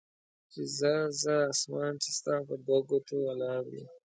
چې ځه ځه اسمان چې ستا پر دوه ګوتې ولاړ وي.